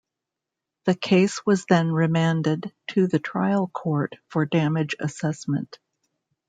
The case was then remanded to the trial court for damage assessment.